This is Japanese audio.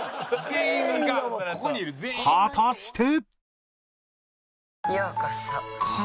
果たして